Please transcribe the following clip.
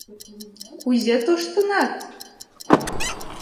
— Кузе тоштыныт?»